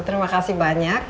terima kasih banyak